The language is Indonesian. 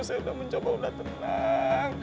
saya sudah mencoba sudah tenang